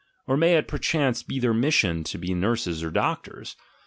Or may it, perchance, be their mission to be nurses or doctors?